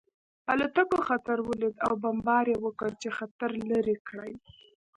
الوتکو خطر ولید او بمبار یې وکړ چې خطر لرې کړي